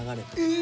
え！